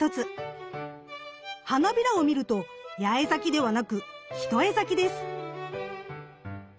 花びらを見ると八重咲きではなく一重咲きです。